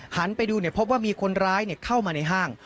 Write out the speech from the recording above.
หันไปดูพบว่ามีคนร้ายเข้ามาในห้าง